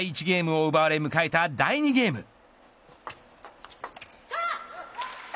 ゲームを奪われむかえた第２ゲーム。